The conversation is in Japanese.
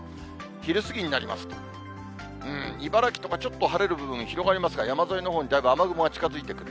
昼過ぎになりますと、茨城とか、ちょっと晴れる部分広がりますが、山沿いのほうにだいぶ雨雲が近づいてくる。